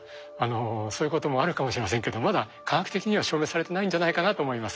そういうこともあるかもしれませんけどまだ科学的には証明されてないんじゃないかなと思います。